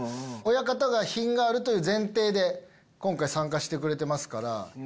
親方が品があるという前提で今回参加してくれてますから。